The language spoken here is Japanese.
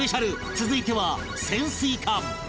続いては潜水艦